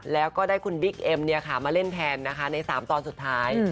แล้วก็ได้คุณบิ๊กเอ็มมาเล่นแทนนะคะใน๓ตอนสุดท้าย